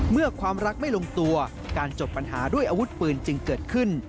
ความรักไม่ลงตัวการจบปัญหาด้วยอาวุธปืนจึงเกิดขึ้น